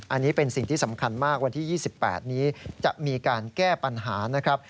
อันนี้เป็นสิ่งที่สำคัญมากวันที่๒๘นี้จะมีการแก้ปัญหานะครับ